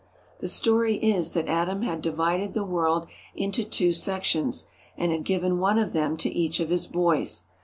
The story is that Adam had divided the world into two sections and had given one of them to each of his boys.